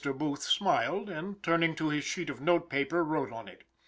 Booth smiled, and turning to his sheet of note paper, wrote on it.